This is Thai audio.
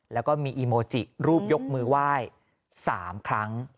แล้วก็มีอีโมจิรูปยกมือไหว้๓ครั้ง